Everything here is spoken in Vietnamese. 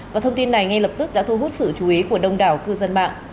và thông tin này ngay lập tức đã thu hút sự chú ý của đông đảo cư dân mạng